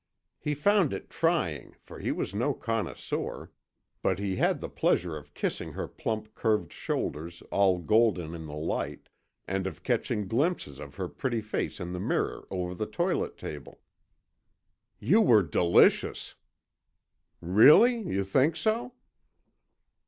He found it trying, for he was no connoisseur, but he had the pleasure of kissing her plump curved shoulders all golden in the light, and of catching glimpses of her pretty face in the mirror over the toilet table. "You were delicious." "Really?... you think so?"